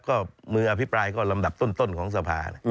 ก็มืออภิปรายก็ลำดับต้นของสภา